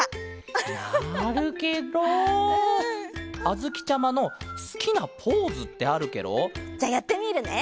あづきちゃまのすきなポーズってあるケロ？じゃあやってみるね！